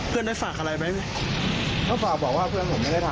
ให้ดูเดียวกันส่วนจับแพ้อ่ะฮะ